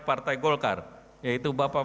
partai golkar yaitu bapak